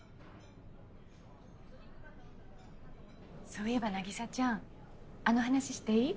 そういえば凪沙ちゃんあの話していい？